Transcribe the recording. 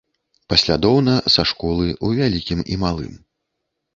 Паслядоўна, са школы, у вялікім і малым.